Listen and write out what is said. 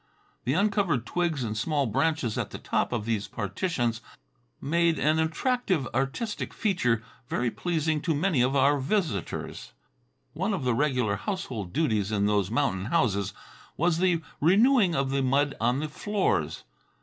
The uncovered twigs and small branches at the top of these partitions made an attractive, artistic feature, very pleasing to many of our visitors. One of the regular household duties in those mountain houses was the renewing of the mud on the floors.